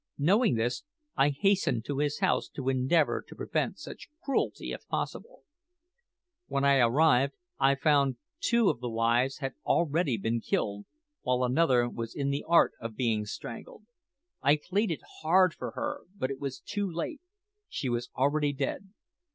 Knowing this, I hastened to his house to endeavour to prevent such cruelty if possible. When I arrived, I found two of the wives had already been killed, while another was in the act of being strangled. I pleaded hard for her, but it was too late; she was already dead.